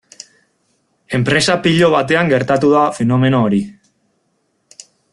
Enpresa pilo batean gertatu da fenomeno hori.